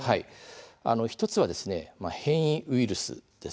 １つは変異ウイルスです。